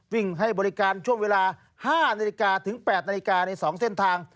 วิ่งให้บริการช่วงเวลา๕นาฬิกาถึง๘นาฬิกาใน๒เส้นทาง